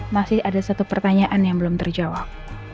masih ada satu pertanyaan yang belum terjawab